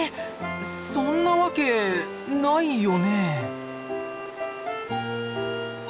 そんなわけないよね？